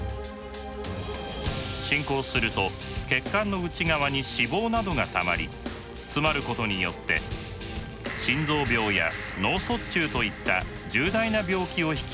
進行すると血管の内側に脂肪などがたまり詰まることによって心臓病や脳卒中といった重大な病気を引き起こすことがあります。